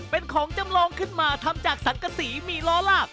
เป็นของจำลองขึ้นมาทำจากสังกษีมีล้อลาก